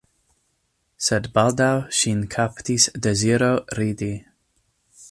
Sed baldaŭ ŝin kaptis deziro ridi.